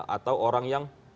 atau orang yang